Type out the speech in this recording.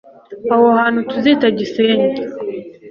aho hantu tuzita gisenyi